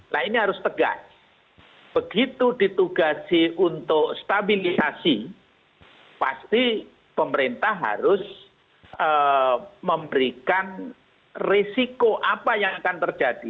nah ini harus tegas begitu ditugasi untuk stabilisasi pasti pemerintah harus memberikan risiko apa yang akan terjadi